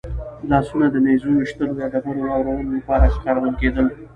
لاسونه د نېزو ویشتلو یا ډبرو د وارولو لپاره کارول کېدل.